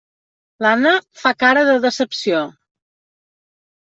L'Anna fa cara de decepció.